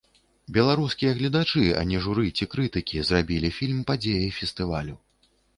Беларускія гледачы, а не журы ці крытыкі, зрабілі фільм падзеяй фестывалю.